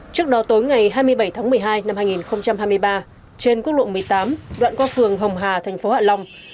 trước đó tối ngày hai mươi bảy tháng một mươi hai năm hai nghìn hai mươi ba trên quốc lộ một mươi tám đoạn qua phường hồng hà thành phố hạ long